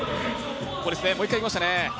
もう一回いきましたね。